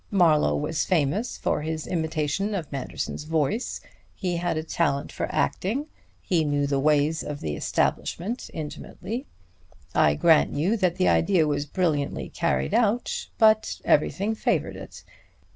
Marlowe was famous for his imitation of Manderson's voice; he had a talent for acting; he knew the ways of the establishment intimately. I grant you that the idea was brilliantly carried out; but everything favored it.